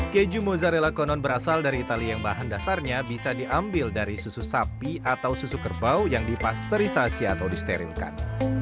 keju mozzarella konon berasal dari italia yang bahan dasarnya bisa diambil dari susu sapi atau susu kerbau yang dipasterisasi atau disterilkan